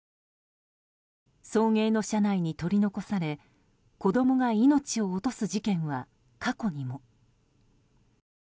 送迎の車内に取り残され子供が命を落とす事件は過去にも。